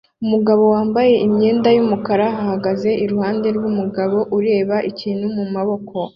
Umugore wambaye imyenda yumukara ahagaze iruhande rwumugabo ureba ikintu mumaboko